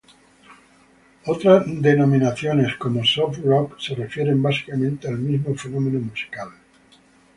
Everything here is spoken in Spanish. Otras denominaciones, como soft rock, se refieren básicamente al mismo fenómeno musical.